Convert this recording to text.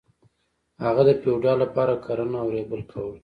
هغه د فیوډال لپاره کرنه او ریبل کول.